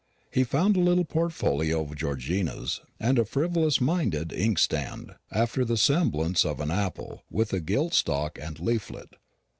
He found a little portfolio of Georgina's, and a frivolous minded inkstand, after the semblance of an apple, with a gilt stalk and leaflet.